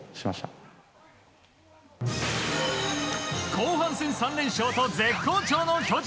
後半戦３連勝と絶好調の巨人。